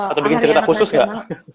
atau bikin cerita khusus nggak